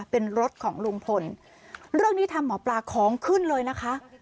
เป็นรถของลุงพลเรื่องนี้ทำหมอปลาของขึ้นเลยนะคะ